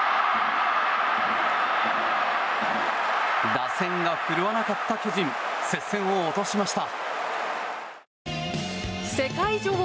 打線が振るわなかった巨人接戦を落としました。